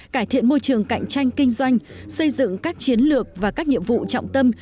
cải thiện môi trường cạnh tranh kinh doanh xây dựng các chiến lược và các nhiệm vụ trọng tâm